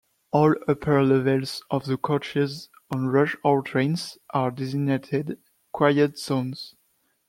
All upper levels of the coaches on rush hour trains are designated "Quiet Zones".